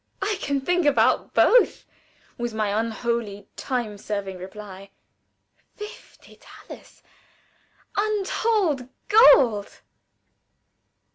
"I can think about both," was my unholy, time serving reply. Fifty thalers. Untold gold!